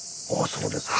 そうですか。